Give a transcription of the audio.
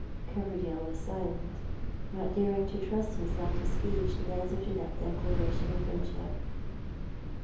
Coverdale was silent, not daring to trust himself to speech in answer to that declaration of friendship.